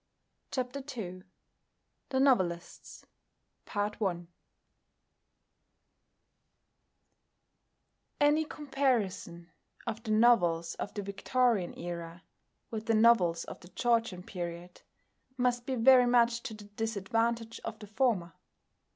CHAPTER II The Novelists Any comparison of the novels of the Victorian Era, with the novels of the Georgian Period, must be very much to the disadvantage of the former.